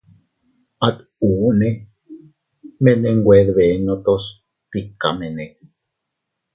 At unne mene nwe dbenotos tikamene.